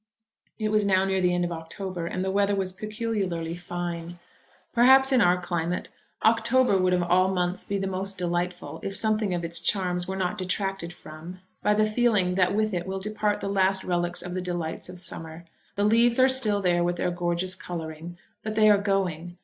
It was now near the end of October, and the weather was peculiarly fine. Perhaps in our climate, October would of all months be the most delightful if something of its charms were not detracted from by the feeling that with it will depart the last relics of the delights of summer. The leaves are still there with their gorgeous colouring, but they are going.